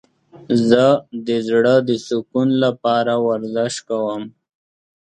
زه د زړه د سکون لپاره ورزش کوم.